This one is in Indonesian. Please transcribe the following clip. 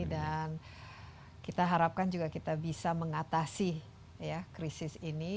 dan kita harapkan juga kita bisa mengatasi ya krisis ini